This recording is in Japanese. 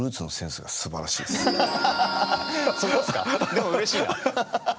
でもうれしいな。